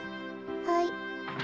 はい。